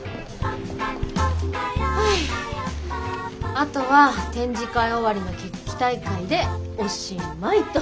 あとは展示会終わりの決起大会でおしまいと。